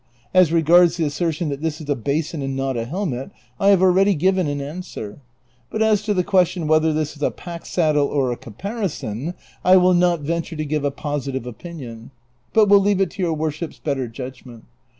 As regards the assertion that this is a basin and not a helmet I have already given an answer ; but as to the question whether this is a pack saddle or a caparison I will not venture to give a positive opinion, but will leave it to your worship's better judgment.